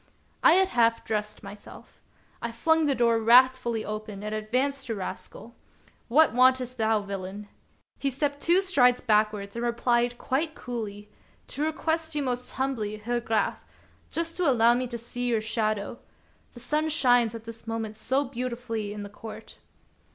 I had half dressed myself. I flung the door wrathfully open and advanced to Rascal :" What wantest thou, villain }" He stepped two strides backwards and replied quite coolly: "To request you most humbly, Herr Graf, just to allow me to see your shadow ; the sun shines at this moment so beautifully in the court."